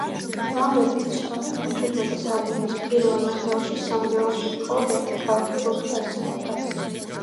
ლამბერტის ცნობით მეჩვიდმეტე საუკუნის პირველ ნახევარში სამეგრელოში მხოლოდ ერთი ქალაქი რუხი არსებობდა